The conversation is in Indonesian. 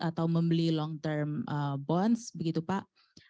atau membeli long term bonds begitu pak